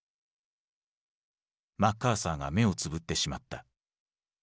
マッカーサーが目をつぶってしまった。